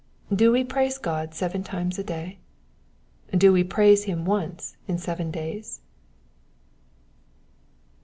Do we praise God seven times a day ? Do we praise him once in seven days